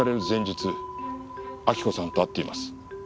前日亜希子さんと会っています。